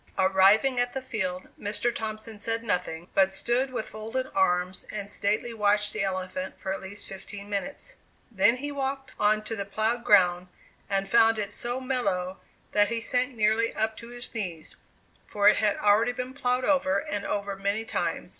Arriving at the field, Mr. Thompson said nothing, but stood with folded arms and sedately watched the elephant for at least fifteen minutes. Then he walked out on to the plowed ground, and found it so mellow that he sank nearly up to his knees; for it had already been plowed over and over many times.